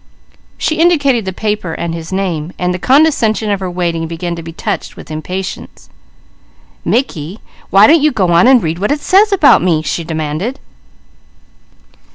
She indicated the paper and his name, while the condescension of her waiting began to be touched with impatience. "Mickey, why don't you go on and read what it says about me?" she demanded.